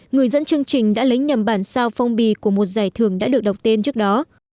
người dẫn chương trình đã lấy nhầm bản sao phong bì của một giải thưởng đã được đọc tên trước đó